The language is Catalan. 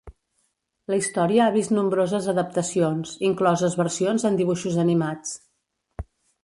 La història ha vist nombroses adaptacions, incloses versions en dibuixos animats.